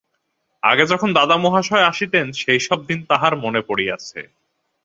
আগে যখন দাদা মহাশয় আসিতেন, সেই সব দিন তাহার মনে পড়িয়াছে!